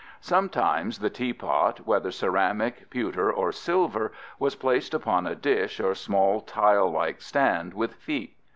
" Sometimes the teapot, whether ceramic, pewter, or silver, was placed upon a dish or small, tile like stand with feet.